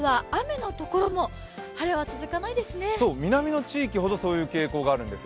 南の地域ほど、そういう傾向があるんですよ。